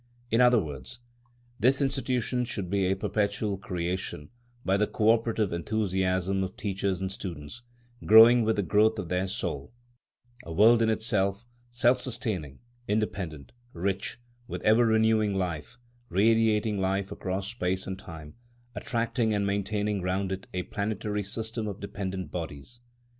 In other words, this institution should be a perpetual creation by the co operative enthusiasm of teachers and students, growing with the growth of their soul; a world in itself, self sustaining, independent, rich with ever renewing life, radiating life across space and time, attracting and maintaining round it a planetary system of dependent bodies.